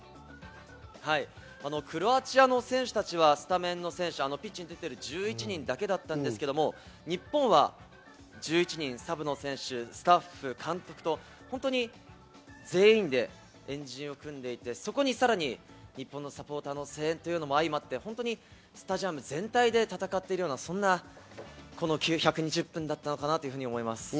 クロアチアの選手たちはスタメンの選手、ピッチに立っている１１人だけだったんですけれども、日本は１１人、サブの選手、スタッフや監督と全員で円陣を組んでいて、そこにさらに日本のサポーターの声援というのも相まって、スタジアム全体で戦っているような、この１２０分だったのかなと思います。